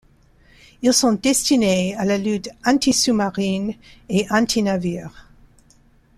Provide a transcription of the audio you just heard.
Ils sont destinés à la lutte anti-sous-marine et anti-navire.